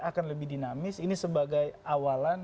akan lebih dinamis ini sebagai awalan